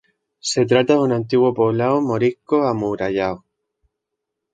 Se trata de un antiguo poblado morisco amurallado.